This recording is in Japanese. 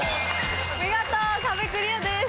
見事壁クリアです。